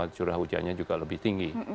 curah hujannya juga lebih tinggi